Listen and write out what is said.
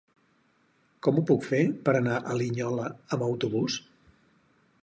Com ho puc fer per anar a Linyola amb autobús?